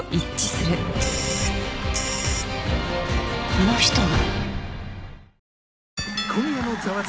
この人が。